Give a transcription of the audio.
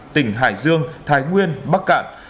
tỉnh hải dương thái nguyên bắc cạn